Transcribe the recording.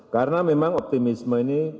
karena memang optimisme ini